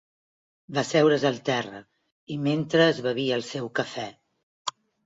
Va asseure's al terra i mentre es bevia el seu cafè.